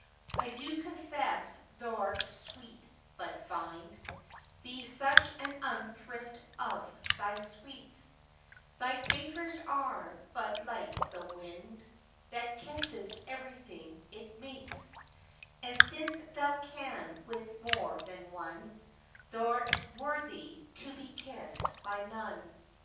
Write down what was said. I do confess thou'rt sweet, but find Thee such an unthrift of thy sweets, Thy favours are but like the wind, That kisses everything it meets; And since thou can with more than one, Thou'rt worthy to be kiss'd by none.